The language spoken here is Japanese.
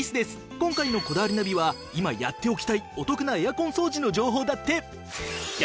今回の『こだわりナビ』は今やっておきたいお得なエアコン掃除の情報だって。